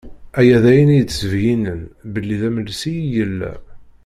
Aya d ayen i d-isbeyyinen belli d amelsi i yella.